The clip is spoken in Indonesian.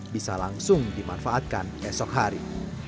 bisa langsung dimanfaatkan esok hari